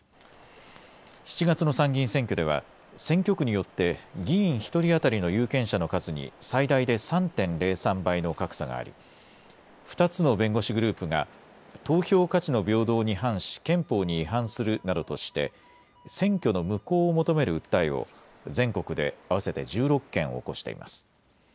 ７月の参議院選挙では選挙区によって議員１人当たりの有権者の数に最大で３．０３倍の格差があり２つの弁護士グループが投票価値の平等に反し憲法に違反するなどとして選挙の無効を求める訴えを全国で合わせて１６件起こしています。